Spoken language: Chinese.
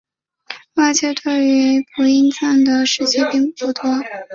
外界对于朴英赞的事迹不多。